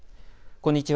こんにちは。